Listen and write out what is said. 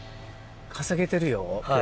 稼げてるよ距離。